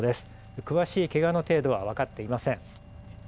詳しいけがの程度は分かっていません。